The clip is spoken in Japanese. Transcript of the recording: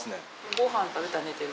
ご飯食べたら寝てる。